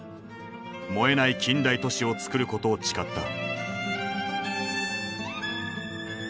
燃えない近代都市をつくることを誓った。